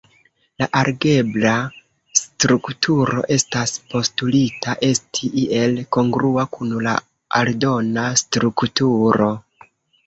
La algebra strukturo estas postulita esti iel kongrua kun la aldona strukturo.